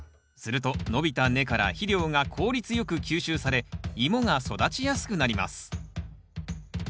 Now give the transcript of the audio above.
すると伸びた根から肥料が効率よく吸収されイモが育ちやすくなります。